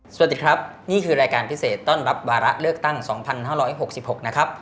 สวัสดีครับนี่คือรายการพิเศษต้อนรับวาระเลือกตั้ง๒๕๖๖นะครับ